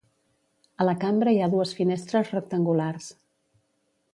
A la cambra hi ha dues finestres rectangulars.